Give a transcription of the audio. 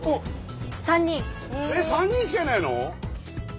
えっ３人しかいないの？